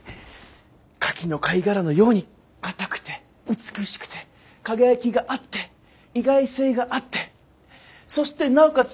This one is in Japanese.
カキの貝殻のように硬くて美しくて輝きがあって意外性があってそしてなおかつ